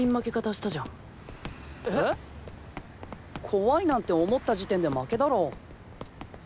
怖いなんて思った時点で負けだろ。